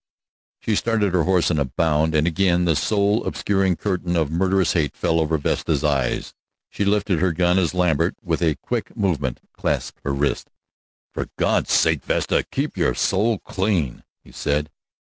She started her horse in a bound, and again the soul obscuring curtain of murderous hate fell over Vesta's eyes. She lifted her gun as Lambert, with a quick movement, clasped her wrist. "For God's sake, Vesta, keep your soul clean!" he said.